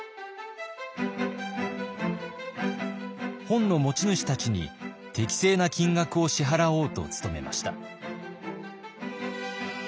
本の持ち主たちに適正な金額を支払おうと努めました。